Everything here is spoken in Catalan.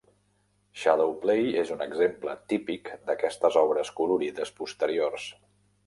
"Shadow Play" és un exemple típic d'aquestes obres colorides posteriors.